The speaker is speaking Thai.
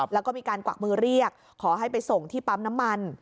แล้วก็มีการกวักมือเรียกขอให้ไปส่งที่ปั๊มน้ำมัน